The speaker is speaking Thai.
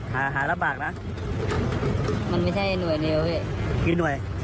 มันบางที